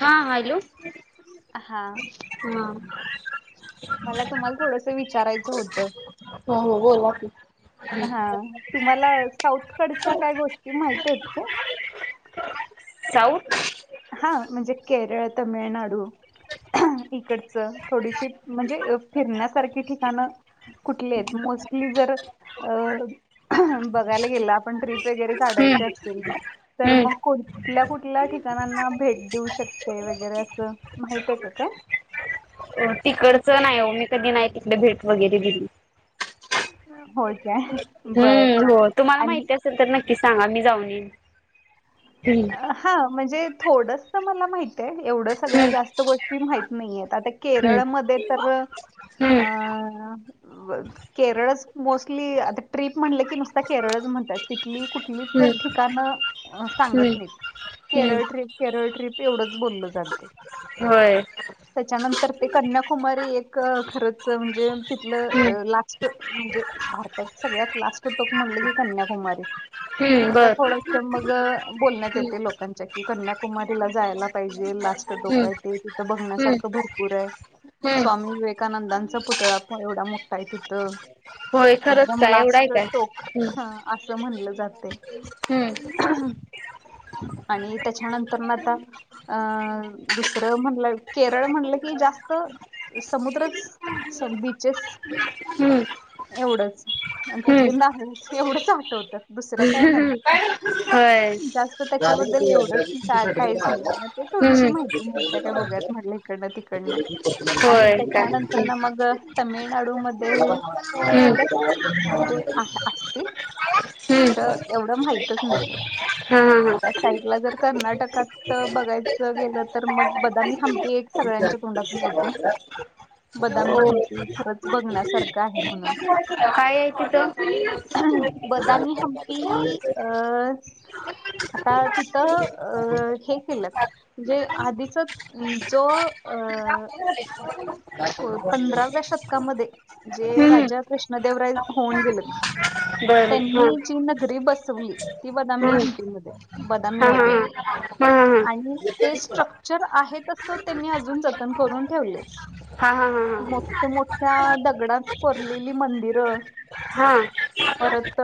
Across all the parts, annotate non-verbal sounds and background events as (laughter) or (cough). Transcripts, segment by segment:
हा हॅलो हां, हा. मला तुम्हाला थोडस विचारायचं होत? हो हो बोला की. हा तुम्हाला साऊथ कडच्या काही गोष्टी माहित आहेत का? चाऊ? हा म्हणजे केरळ, तमिळनाडू इकडचं थोडीशी म्हणजे फिरण्यासारखी ठिकाणं कुठले आयत? मोस्टली जर अ बघायला गेले आपण ट्रिप वगैर काढायची हम्म असतील तर मग कुठल्या कुठल्या ठिकाणांना भेट देऊ शकते वगैरे असं माहित आय का काय? तिकडचं नाय ओ मी कधी नाय तिकडे भेट वगैरे दिली. हो काय? बरं हम्म हो तुम्हाला आणि माहिती असेल तर नक्की सांगा मी जाऊन येईन. हा म्हणजे थोडस मला माहित ताय एवढं सगळ्या जास्त गोष्टी माहित नाहीये. आता हम्म केरळमध्ये तर आ केरळच मोस्टली आता ट्रीप म्हणलं की नुसता केरळच म्हणतायत. तितली कुठली तर हम्म ठिकाण हम्म सांगत हम्म नायत. हम्म हम्म केरळ ट केरळ ट्रिप एवढंच बोलल चालतय. होय. त्याच्यानंतर ते कन्याकुमारी एक खरच म्हणजे हम्म तिथलं लास्ट म्हणजे भारतात सगळ्यात लास्ट टोक म्हणलं की कन्याकुमारी. हम्म तिथलं बर थोडस मग बोलण्यात हम्म येत लो कानच्या की कन्याकुमारीला जायला पाहिजे. ला स्ट टोक हम्म आय तिथ हम्म बघण्यासारख भरपूर हाय. हम्म स्वामी विवेक कानंदांचा पुतळा पण एवढा मोठा हाय तिथं. होय खरंच एकदम काय एवढा आहे लास्ट काय टोक असं म्हणलं जातय. हम्. आणि त्याच्यानंतर न आता अ दुसरं म्हणलं केरळ म्हणलं की जा समुद्रच बिचेस हम्. एवढंच आणि तिथले नारळच एवढंच आटवतं. (unintelligible) होय. जास्त झालं त्याच्याबद्दल की ते एवढंच ग्रॅज्युएशनचं का सर्टिफिकेट काहीच नाय मिळालं. मग ते हम्म थोडीशी हम्म. माहिती मिळत्या काय बघुयात म्हटलं. इकडनं तिकडनं आणि होय काय त्याच्यानंतरन मग तमिळनाडू मध्ये पण हम्म. एवढं काय म्हणजे आ - असतील खर एवढं माहितच नाहीये. हम्. आता साईडला जर कर्नाटकात बघायचं गेलं तर मग बदामी हम्पी एक सगळ्यांच्या तोंडातून येतय. हो खरंच बघण्यासारखं आहे म्हणून. काय कुट? बदामी हम्पी अ आता तिथं अ हे केल्यात. म्हणजे आधीच जो अ को पंधराव्या शतकामध्ये जे हम्म राजा कृ ष्णा देवराय होऊन गेलं बर त्यांनी जी नगरी बसवली ती बदामी हम्म हम्पी मध्ये. हा, हा, हा, हा, हा, हा. आणि ते स्ट्रक्चर आहे तस त्येनी अजून जतन करून ठेवलय. हा हा हा हा हा हा. मोठ -मोठ्या दगडात कोरलेली मंदिरं. हा. परत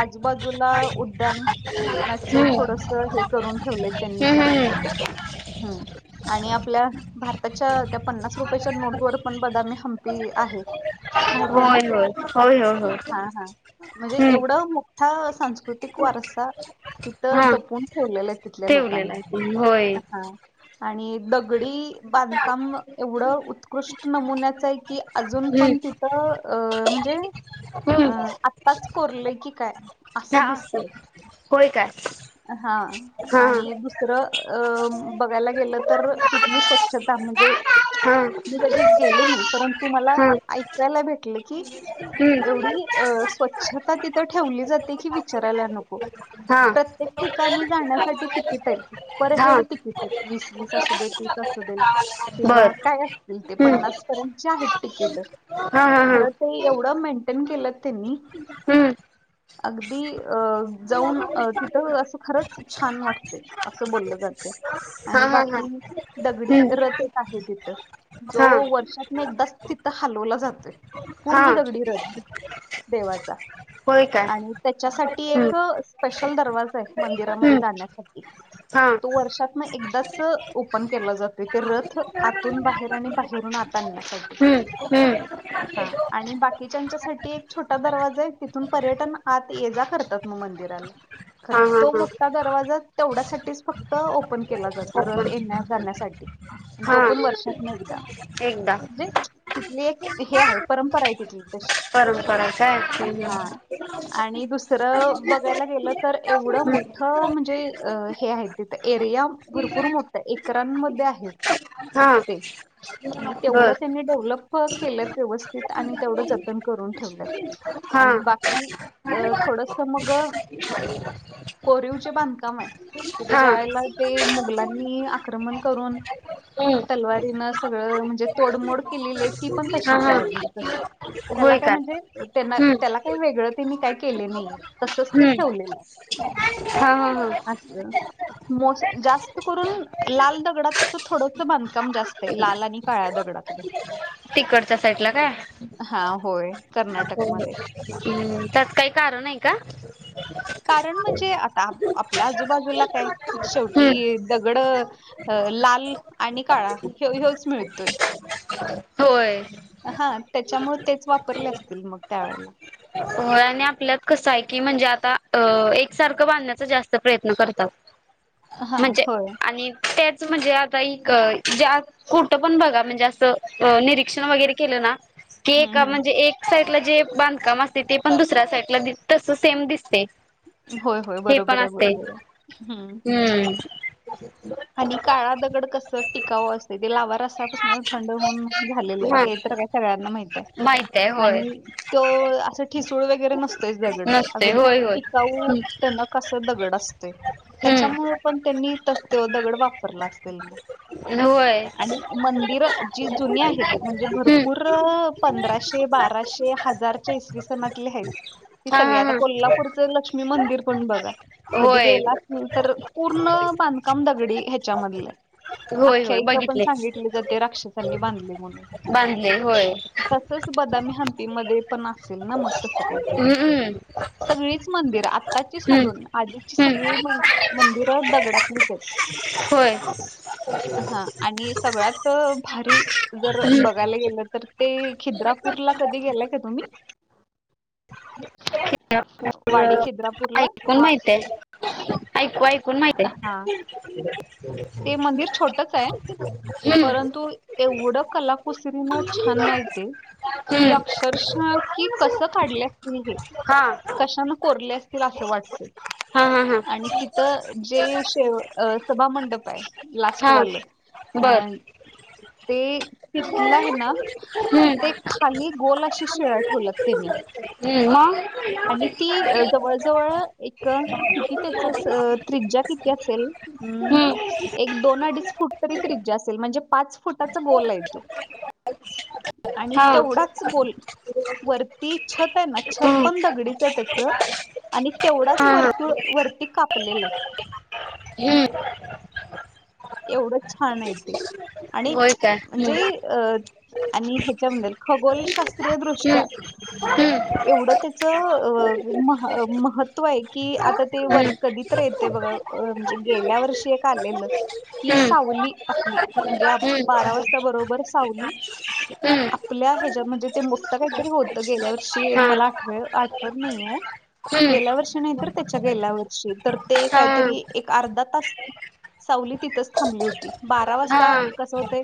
आजू-बाजूला उड्डाणं, नाही तर हम्म थोडस त हे करून ठेवलंय त्यांनी. हम्म हम्म हम्म ह आणि आपल्या, भारताच्या त्या पन्नास रुपयाच्या नोट वर पण बदामी, हंपी आहे. माहितीय ना. होय होय होय हो, हो. हा हा म्हणजे एवढं मोठा सांस्कृतिक वारसा, तिथं हा जपून ठेवलेल्या तिथल्या ठेवलेला लोकांनी. आहे होय हा आणि दगडी बांधकाम, एवढं उत्कृष्ट नमुन्याचं आहे की अजून पण हम्म तिथं अ म्हणजे, अ हम्म आत्ताच कोरलंय की काय असं दिसतय. होय काय हा हा आणि तिथं बघायला गेलं तर, तिथली स्वच्छता. म्हणजे हा मी कधी गेले नाही, परंतु मला हा ऐक ऐकायला भेट की, हम्म एवढी स्वच्छता तिथ ठेली जाते की विचा रायला, नको. हा. प्रत्येक ठिकाणी जाण्यासाठी तिकीट आहेत, पर हा हेड तिकीट आहेत. वीस वीस असू दे तीस असू दे, किंवा बर काय असतील ते, हम्म पन्नास पर्यंतचे आहेत तिकीट. हा, हा, हा. खरं ते एवढं मेंटेन केलं त्यांनी. हम्म अगदी अ, जाऊन अ तिथं असं खरंच छान वाटतय, असं बोललं जातयं. हा आणि हा हा बाकी, दगडी हम्म रथ एक आहे तिथ. जो हा वर्षात एकदाच तिथं हलवला जातोय, हा पूर्ण दगडी रथ देवाचा. होय काय आणि त्याच्यासाठी एक, हम्म स्पेशल दरवाजा हाय मंदिरामध्ये हम्म जाण्यासाठी. हा तो वर्षात मग एकदाच ओपन केला जातोय, ते रथ आतून बाहेर आणि बाहेरून आत आणण्यासाठी. हम्म (unintelligible) हम्म. हा, आणि बाकीच्यासाठी एक छोटा दरवाजा हाय, तिथून पर्यटन आत ये -जा करत्यात. -तात मग मंदिराला. हा खरं हा तो, हा मोठा दरवाजा तेवढ्यासाठीच फक्त ओपन केला जातोय रथ ओपन येण्या- जाण्यासाठी. हा तो पण वर्षातन एकदा. एकदा. म्हणजे तिथली एक हे हाय, परंपरा आहे तिथली तशी. परंपरा काय. हम्म, हा म्म. आणि दुस खर बघायला गेलं तर, एवढं हम्म मोठं म्हणजे हे आहे तिथं एरिया भरपूर मोठ एकरान मध्ये आहेत हा ते, आणि बर तेवढं त्यांनी डेव्हलप केलं व्यवस्थित, आणि तेवढं जतन करून ठेवल्यात हा आणि बाकी अ थोडस मग कोरीवचे बांधकाम हाय. तिथे हा ज्यायला ते मुघलांनी आक्रमण करून. हम्म तलवारीन सगळं म्हणजे तोडमोड केलेली हाईत. ती पण हा तशीच हा आहे अजून तसंच त्याला काय म्हणजे हम्म त्या वेगळं ते मी काय केले नाहीयेत. हम्म हा हा हा. तर (inaudible) मोस जास्त करून लाल दगडात तर थोडस बांधकाम जास्त आहे लाल आणि काळ्या दगडात. (unintelligible) तिकडच्या साईडला काय? हा होय. कर्नाटकमध्ये. हम्म, त्यात काही कारण आहे का? कारण म्हणजे आता आपल्या आजूबाजूला काय हम्म शेवटी दगड अ लाल आणि काळा हयोच मिळतोय. होय. हा त्याच्यामुळे तेच वापरले असतील मग त्यावेेळेला. हो आणि आपल्यात कसं आहे की म्हणजे आता एकसारखं बांधण्याचा जास्त प्रयत्न करतात. हा म्हणजे होय. आणि तेच म्हणजे आता एक ज्यात कुठं पण बघा म्हणजे असं निरीक्षण वगैरे केलं ना की एक हं, हं. म्हणजे एक साईड ला जे बांधकाम असते ते पण दुसऱ्या साईडला तस सेम दिसते. होय, होय. हे पण बरोबर आहे, असते, बरोबर आहे. हं. हम्म. आणि काळा दगड कस टिकावं असे ते लावार असत थंड होऊन झालेलं आहे हा हे तर का सगळ्यांना माहीत आहे माहित आहे होय आणि तो ठिसूळ वगैरे नसतोयच दगड नसते अगदी होय होय टिकाऊ टनक असं दगड असतयं. हम्म त्याच्यामुळे पण त्यांनी त्यो दगड वापरला असेल मग. होय आणि मंदिर जी जुनी आहेत म्हणजे हम्म भरपूर पंधराशे, बाराशे हजार इसवी सणातले आहेत हा सगळे हा आता हा कोल्हापूरच लक्ष्मी मंदिर पण बघा कधी होय गेला असेल तर पूर्ण बांध काम दगडी ह्याच्या मधलं आहे होय होय आख्यायिका पण बघितले सांगितली जाते राक्षसांनी बांधले म्हणून बांधलेय होय. तसच बदामी हंपीमध्ये पण असेल ना मग तसं काही तरी हम्म. सगळीच मंदिर आत्ताची हम्म सोडून आधीची हम्म सगळी मंदिरं दगडातली होय. हा आणि सगळ्यात भारी जर हम्म बघायला गेलं तर ते खिद्रापूर ला कधी गेलाय का तुम्ही? खिद्रापूर वाडी खिद्रापूरला? ऐकून आहे ते. ऐकू, ऐकून माहित आहे. हां. ते मंदिर छोटच आहे. ह (inaudible) परंतु एवढं कलाकुसरीनं छान माहित आहे. कि हम्म अक्षरशा की कस काढले असतील हे. हा. कशान कोरले असतील असं वाटते. हा हा हा आणि तिथं जे शे सभामंडप आहे हा लास्टवालं बर अं ते तिथलं आहे ना हम्म तिथे खाली गोल अशी शिळा ठेवल्यात त्यांनी. हम् मग आणि ती जवळ च जवळ एक किती त्याच त्रिज्या किती असेल अम. हम्म एक दोन अडीच फुट तरी त्रिज्या असेल म्हणजे पाच फुटाचा गोल आहे तो. आणि हा तेवढाच गोल वरती छत आहे ना छत हम्म पण दगडीच आहे त्याच आणि तेवढाच हा हा वर्तुळ वरती कापलेल आहे. हम् एवढच छान आहे ते आणि होय काय म्हणजे हम्म अ आणि त्याच्याबद्दल खगोलशास्त्रीय हम्म दृष्ट्या हम्म एवढ त्या च महत्व आहे की, आता ते वर हम्म कधीत येते बघा. अ म्हणजे गेल्या वर्षी एक आलेल. कि हम्म सावली आपली म्हणजे हम्म बारा वाजता बरोबर सावली. हम्म आपल्या ह्याच्या म्हणजे ते मोठ काहीतरी होत गेल्या वर्षी हा मला आठव आठवत नाहीये. हम्म गेल्या वर्षी नाहीतर त्याच्या गेल्या वर्षी तर ते हा काहीतरी एक अर्धा तास. सावली तिथच थांबली होती. बारा हा वाजता कस होते.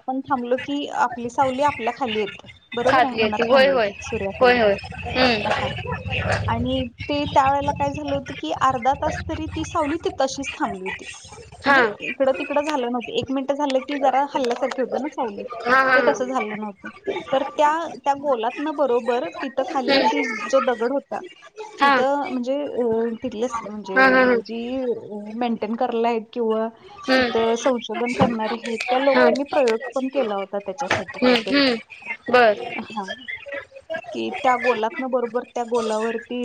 आपण थांबलो की आपली सावली आपल्या खाली येते बरोबर खाली आहे उन्हात येते. होय थांबले -होय की होय सूर्याखाली होय हा हम्म. आणि ते त्या वेळेला काय झाल होत की अर्धा तास तरी ती सावली ती अशीच थांबली होती. हा म्हणजे इकड तिकड झाल नव्हत. एक मिनिट झाल की जरा हल्ल्यासारखे होते ना सावली हा हा हा ते तस हम्म झाल नव्हत. तर त्या त्या गोलातन बरोबर तिथ खाली ती जो दगड होता. हा हा तिथ म्हणजे अ तिथ म्हणजे हा हा जी मेंटेन करायला आहेत. किंवा हम्म तिथ संशोधन करणारे हे त्या हा लोकांनी प्रयोग पण केला होता. त्याच्यासाठी हम्म काहीतरी. हम्म बर हा. कि त्या गोलातन बरोबर त्या गोलावरती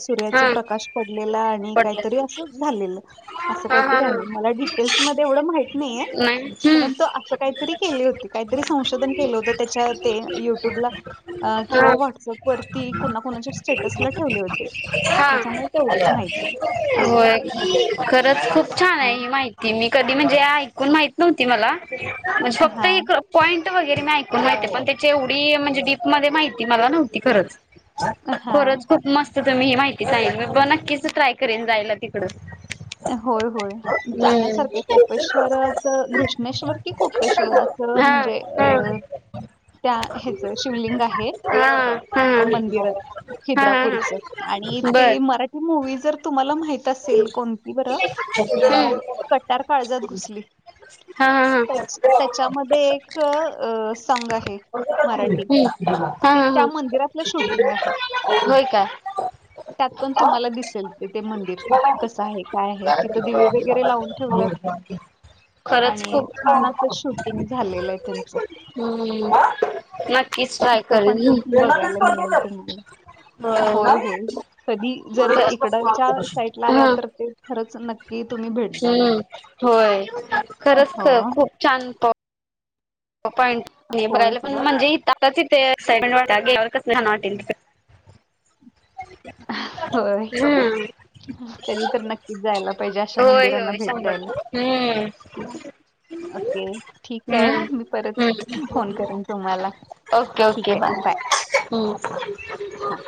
सूर्याच हा प्रकाश पडलेला आणि काहीतरी पटलं अस झालेल अस हा हा काहीतरी हा आहे. म डिटेल मध्ये एवढ माहित नाही नाही परंतु अस काहीतरी केली होती. काहीतरी संशोधन केल होत त्याच्या ते युट्यूबला किंवा हम्म व्हट्सअप वरती कुणाकुणाच्या स्टेटसला ठेवले होते हा. त्याच्यामुळे तेवढंच माहिती आहे असं होय खरच खूप छान आहे हा माहिती मी कधी म्हणजे ऐकून माहीत नव्हती मला म्हणजे फक्त हा एक पॉईंट वगैरे मी ऐकून माहितीये पण त्याची एवढी म्हणजे डीप मध्ये माहिती मला नव्हती खरच. हा खरच खूप मस्त तुम्ही ही माहिती सांगीतलीत. मी नक्कीच ट्राय करेन जायला तिकड. होय होय जाण्यासारखे कोपेश्वरच घृष्णेश्वर कि कोपेश्वराच हा म्हणजे हा अ त्या ह्याचं शिवलिंग आहे. हा हा मंदिरात हा हा खिद्रापूरच आणि ते बर मराठी मूवी जर तुम्हाला माहिती असेल कोणती बर हम्म कटार काळजात घुसली. हा- हा -हा त्या त्याच्यामध्ये एक अ सॉंग आहे. मराठी ह् हा ते ह त्या ह, मंदिरातलं शूटिंग आहे होय का? त्यात पण तुम्हाला दिसेल ते ते मंदिर. काय कस आहे? काय आहे. तिथे दिवे वगैरे लावून ठेवल्यात. खरंच आणि छान अस खूप शूटिंग झालेलं आहे त्यांच. हम्म नक्कीच ट्राय इथ करेन पण बघायला मिळेल तुम्हाला. हा होय होय. कधी जर इकडच्या साईड ला आला तर ते खरंच नक्की तुम्ही भेट द्या मग. हम्म होय खरंच हो. खूप छान तो पॉईंट होय बघायला पण होय म्हणजे इ (unintelligible) आताच किती एक्सायटेड वाटालाय गेल्यावर किती छान वाटेल तिथे होय (unintelligible) हम्म. कधी तर नक्कीच जायला पाहिजे. अशा होय मंदिरांना होय भेट शंभर द्यायला. हम्म ओके. ठीके. हम्म मी परत फोन करेन तुम्हाला ओके ठीक ओके. आहे बाय. हम्म. हा.